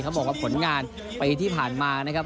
บอกว่าผลงานปีที่ผ่านมานะครับ